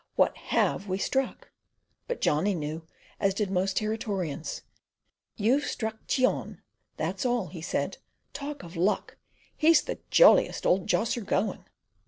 "What HAVE we struck?" But Johnny knew, as did most Territorians. "You've struck Cheon, that's all," he said. "Talk of luck! He's the jolliest old josser going."